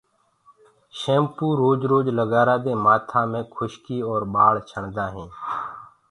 شيمپو روج روج لگآرآ دي مآٿآ مي کُشڪي اور ٻآݪ ڇڻدآ هينٚ۔